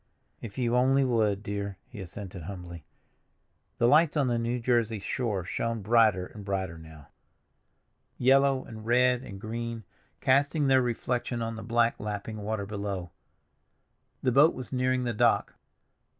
"If you only would, dear," he assented humbly. The lights on the New Jersey shore shone brighter and brighter now, yellow and red and green, casting their reflection on the black lapping water below. The boat was nearing the dock.